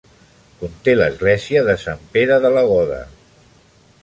Conté l'església de Sant Pere de la Goda.